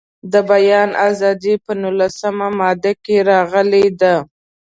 د بیان ازادي په نولسمه ماده کې راغلې ده.